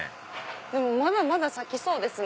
まだまだ先そうですね